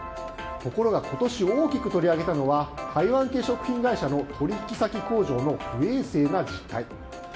ところが今年大きく取り上げたのは台湾系食品会社の取引先工場の不衛生な実態。